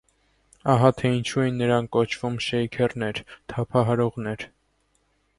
Ահա թե ինչու էին նրանք կոչվում «շեյքերներ» (թափահարողներ)։